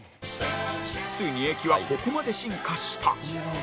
ついに駅はここまで進化した